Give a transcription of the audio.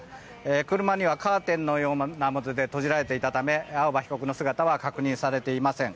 車はカーテンのようなもので閉じられていたため青葉被告の様子は確認されていません。